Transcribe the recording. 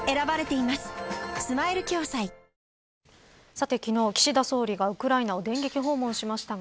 さて昨日、岸田総理がウクライナを電撃訪問しましたが